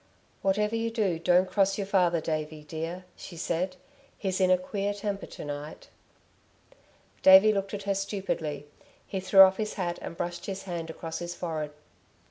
"Whatever you do, don't cross your father, Davey dear," she said. "He's in a queer temper to night." Davey looked at her stupidly. He threw off his hat and brushed his hand across his forehead.